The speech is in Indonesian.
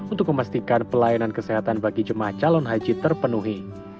untuk memastikan pelayanan kesehatan bagi jemaah calon haji terpenuhi